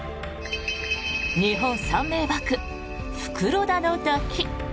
日本三名瀑、袋田の滝。